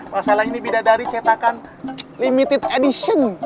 masalah ini beda dari cetakan limited edition